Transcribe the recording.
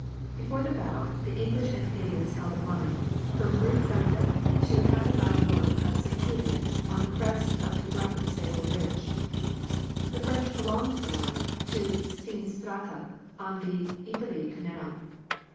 Before the battle, the English and Canadians held a line from Broodseinde to half a mile north of St. Julien on the crest of the Grafenstafel Ridge. The French prolonged the line to Steenstraate on the Yperlee Canal.